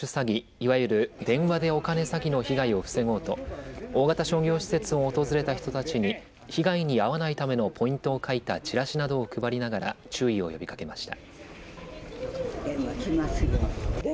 いわゆる電話でお金詐欺の被害を防ごうと大型商業施設を訪れた人たちに被害に遭わないためのポイントを書いたチラシなどを配りながら注意を呼びかけました。